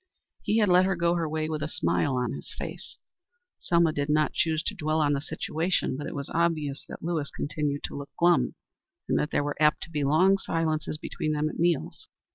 He had let her go her way with a smile on his face. Selma did not choose to dwell on the situation, but it was obvious that Lewis continued to look glum, and that there were apt to be long silences between them at meals.